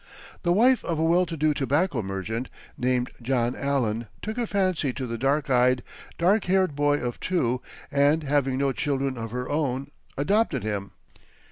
The wife of a well to do tobacco merchant, named John Allan, took a fancy to the dark eyed, dark haired boy of two, and, having no children of her own, adopted him.